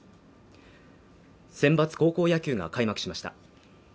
選抜高校野球が開幕しました。